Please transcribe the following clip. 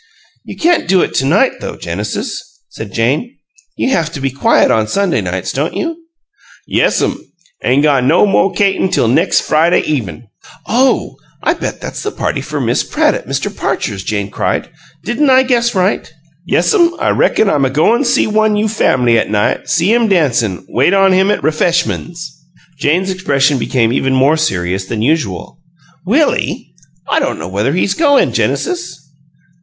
"You can't do it to night, though, Genesis," said Jane. "You haf to be quiet on Sunday nights, don't you?" "Yes'm. 'Ain' got no mo' kaytun till nex' Friday even'." "Oh, I bet that's the party for Miss Pratt at Mr. Parcher's!" Jane cried. "Didn't I guess right?" "Yes'm. I reckon I'm a go'n' a see one you' fam'ly 'at night; see him dancin' wait on him at ref'eshmuns." Jane's expression became even more serious than usual. "Willie? I don't know whether he's goin', Genesis."